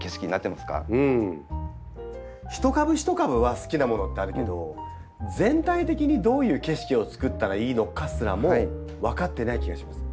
一株一株は好きなものってあるけど全体的にどういう景色をつくったらいいのかすらも分かってない気がします。